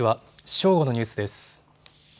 正午のニュースです。